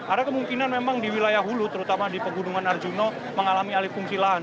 ada kemungkinan memang di wilayah hulu terutama di pegunungan arjuna mengalami alih fungsi lahan